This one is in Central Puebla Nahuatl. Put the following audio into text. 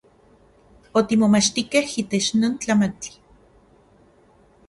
Otimomachtikej itech non tlamantli.